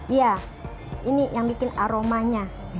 iya ini yang bikin aromanya